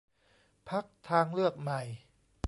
พรรคทางเลือกใหม่